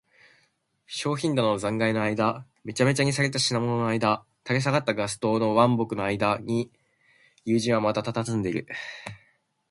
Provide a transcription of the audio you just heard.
商品棚の残骸のあいだ、めちゃめちゃにされた品物のあいだ、垂れ下がったガス燈の腕木のあいだに、友人はまだたたずんでいる。